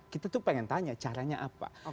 kita tuh pengen tanya caranya apa